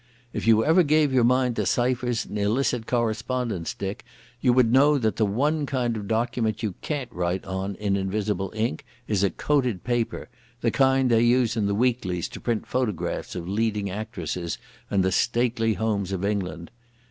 If you ever gave your mind to ciphers and illicit correspondence, Dick, you would know that the one kind of document you can't write on in invisible ink is a coated paper, the kind they use in the weeklies to print photographs of leading actresses and the stately homes of England.